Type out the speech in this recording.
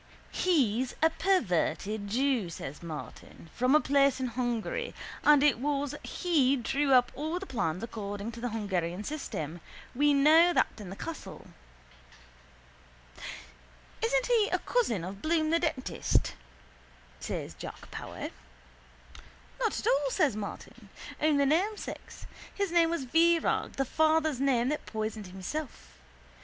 —He's a perverted jew, says Martin, from a place in Hungary and it was he drew up all the plans according to the Hungarian system. We know that in the castle. —Isn't he a cousin of Bloom the dentist? says Jack Power. —Not at all, says Martin. Only namesakes. His name was Virag, the father's name that poisoned himself.